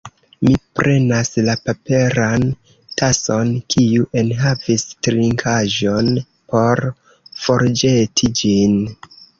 Mi prenas la paperan tason, kiu enhavis trinkaĵon, por forĵeti ĝin.